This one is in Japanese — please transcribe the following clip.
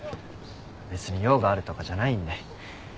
別に用があるとかじゃないんで。